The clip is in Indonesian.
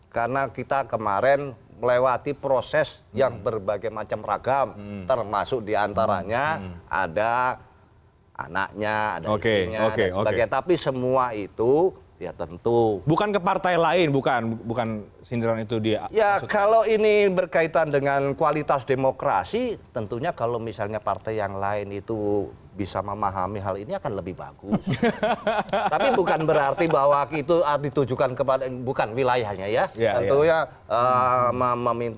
kami akan segera kembali sesaat lagi